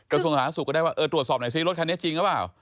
กระทรวงสาธารณสุขก็ได้ว่าเออตรวจสอบหน่อยซิรถคันนี้จริงหรือเปล่า